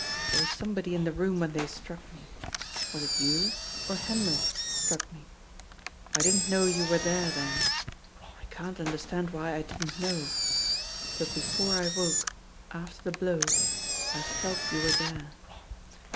There was somebody in the room when they struck me. Was it you or Hendrik struck me ? I didn't know you were there then. I can't understand why I didn't know. But before I woke, after the blow, I felt you were there.